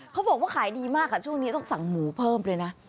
เขาบอกว่าขายดีมากช่วงนี้ต้องสั่งหมูเพิ่มเลยนะ